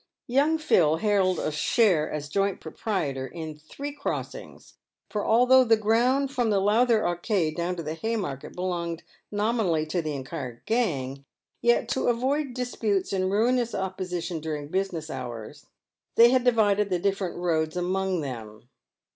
Young Phil held a share, as joint proprietor, in three crossings ; for although the ground from the Lowther Arcade down to the Haymarket belonged nominally to the entire gang, yet, to avoid dis putes and ruinous opposition during business hours, they had divided the different roads among them.